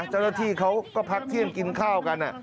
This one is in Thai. เจ้าหน้าที่เขาก็พักเที่ยงกินข้าวกัน